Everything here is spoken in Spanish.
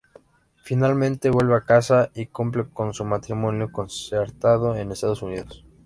Finalmente vuelve a casa y cumple con su matrimonio concertado en Estados Unidos.